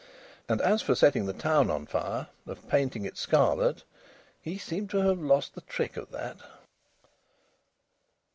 And as for setting the town on fire, or painting it scarlet, he seemed to have lost the trick of that.